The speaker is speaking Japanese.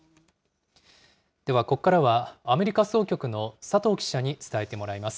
ではここからは、アメリカ総局の佐藤記者に伝えてもらいます。